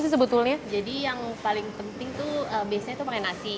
jadi yang paling penting tuh biasanya tuh pakai nasi